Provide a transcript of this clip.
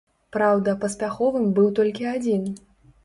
Праўда, паспяховым быў толькі адзін.